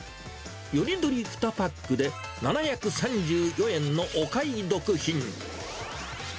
よりどり２パックで７３４円のお買い得品。